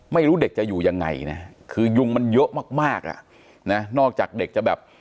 ไม่รู้เด็กจะอยู่ยังไงนะคือยุงมันเยอะมากมากอ่ะนะนอกจากเด็กจะแบบ